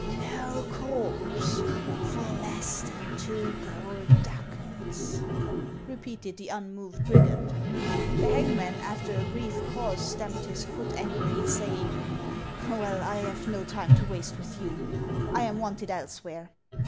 '• Xo corpse for less than two gold ducats," repeated the unmoved brigand. The hangman, after a brief pause, stamped his foot angrily, saying :" Well, I 've no time to waste with you. I am wanted elsewhere."